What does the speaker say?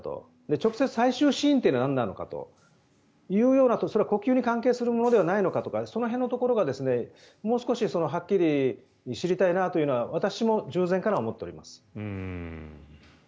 直接最終死因はなんなのかというとそれは呼吸に関係するものなのかどうかそういうところがもう少しはっきり知りたいなというのは私も従前から思っております。